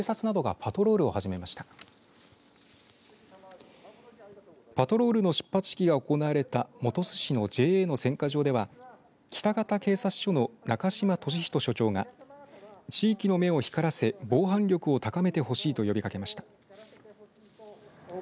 パトロールの出発式が行われた本巣市のＪＡの選果場では、北方警察署の中島俊仁署長が地域の目を光らせ、防犯力を高めてほしいと呼びかけました。